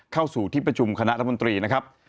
เข้าสู่ที่ประชุมคณะรัฐมนตรีนะครับ